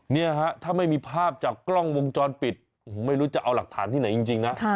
เนี่ยฮะถ้าไม่มีภาพจากกล้องวงจรปิดไม่รู้จะเอาหลักฐานที่ไหนจริงนะ